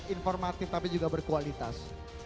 informatif tapi juga berkualitas